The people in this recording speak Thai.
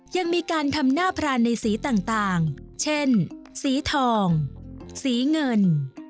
ยังมีการทำหน้าพรานในสีต่างเช่นสีทองสีเงิน